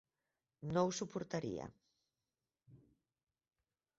No ho suportaria.